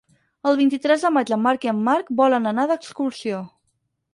El vint-i-tres de maig en Marc i en Marc volen anar d'excursió.